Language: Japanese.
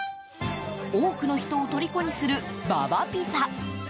多くの人をとりこにするＢａＢａピザ。